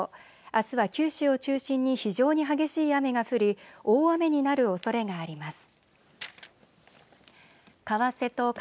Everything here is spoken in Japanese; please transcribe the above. あすは九州を中心に非常に激しい雨が降り大雨になるおそれがあります。